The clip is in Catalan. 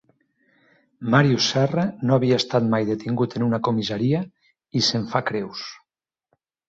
Màrius Serra no havia estat mai detingut en una comissaria i se'n fa creus.